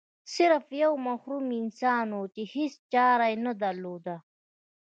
سرف یو محروم انسان و چې هیڅ چاره نه درلوده.